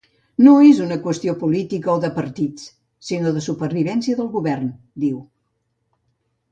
No és una qüestió política o de partits, sinó de supervivència del govern, diu.